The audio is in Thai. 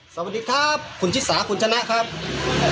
สวัสดีครับคุณชิสาคุณชนะครับ